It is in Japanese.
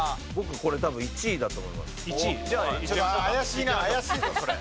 僕これ多分１位だと思います。